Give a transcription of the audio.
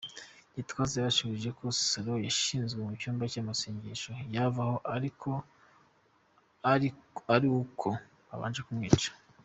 Gitwaza yabasubije ko salon yashinzwe mu cyumba cy’amasengesho, yavaho ari uko babanje kumwica.